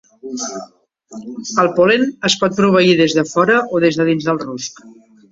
El pol·len es pot proveir des de fora o des de dins del rusc.